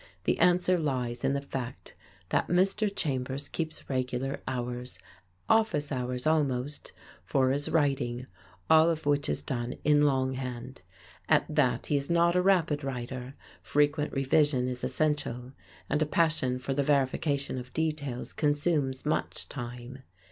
The answer lies in the fact that Mr. Chambers keeps regular hours office hours, almost for his writing, all of which is done in long hand. At that he is not a rapid writer, frequent revision is essential, and a passion for the verification of details consumes much time.